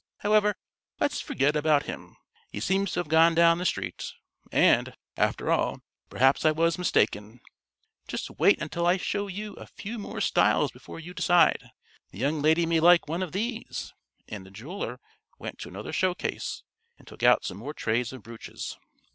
However, let's forget about him. He seems to have gone down the street, and, after all, perhaps I was mistaken. Just wait until I show you a few more styles before you decide. The young lady may like one of these," and the jeweler went to another showcase and took out some more trays of brooches.